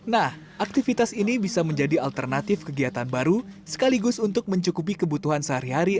nah aktivitas ini bisa menjadi alternatif kegiatan baru sekaligus untuk mencukupi kebutuhan sehari hari